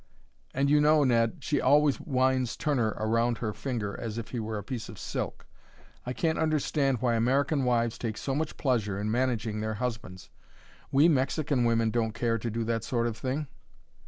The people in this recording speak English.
And you know, Ned, she always winds Turner around her finger as if he were a piece of silk. I can't understand why American wives take so much pleasure in managing their husbands; we Mexican women don't care to do that sort of thing."